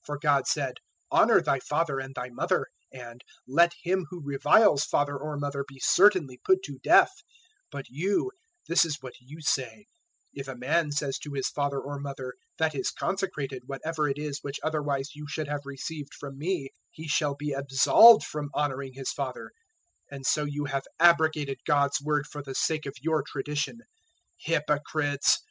015:004 For God said, `Honour thy father and thy mother'; and `Let him who reviles father or mother be certainly put to death'; 015:005 but you this is what you say: `If a man says to his father or mother, That is consecrated, whatever it is, which otherwise you should have received from me 015:006 he shall be absolved from honouring his father'; and so you have abrogated God's Word for the sake of your tradition. 015:007 Hypocrites!